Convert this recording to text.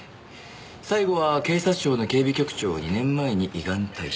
最後は警察庁の警備局長を２年前に依願退職。